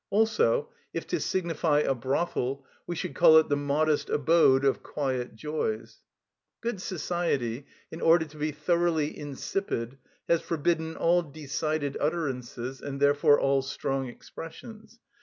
Also if to signify a brothel we should call it the "modest abode of quiet joys." Good society, in order to be thoroughly insipid, has forbidden all decided utterances, and therefore all strong expressions.